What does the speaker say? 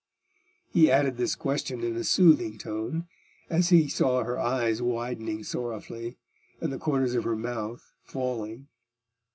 He added this question in a soothing tone, as he saw her eyes widening sorrowfully, and the corners of her mouth falling.